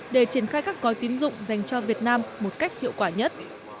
để triển khai các gói tín dụng dành cho việt nam một cách hiệu quả nhất